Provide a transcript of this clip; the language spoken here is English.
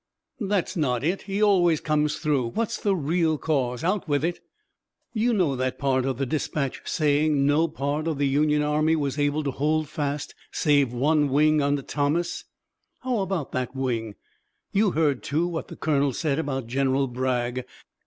"That's not it. He always comes through. What's the real cause? Out with it!" "You know that part of the dispatch saying, 'No part of the Union army was able to hold fast save one wing under Thomas.' How about that wing! You heard, too, what the colonel said about General Bragg.